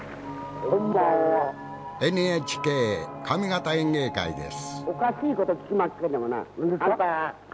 「ＮＨＫ上方演芸会」です